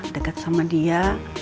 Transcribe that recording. deket sama dia